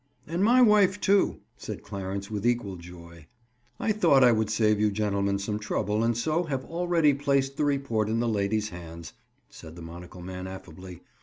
"And my wife, too!" said Clarence with equal joy. "I thought I would save you gentlemen some trouble and so have already placed the report in the ladies' hands," said the monocle man affably.